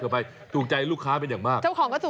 บอกเลยว่าถูกใจลูกค้าเป็นอย่างมาก